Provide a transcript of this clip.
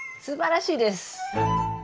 すばらしいです！